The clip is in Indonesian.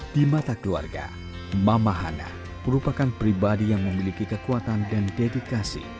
di mata keluarga mama hana merupakan pribadi yang memiliki kekuatan dan dedikasi